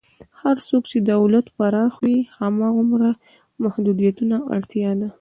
هر څومره چې دولت پراخ وي، هماغومره محدودیتونو ته اړتیا ده.